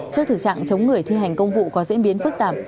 trước thực trạng chống người thi hành công vụ có diễn biến phức tạp